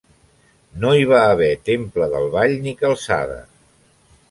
No hi va haver temple del vall ni calçada.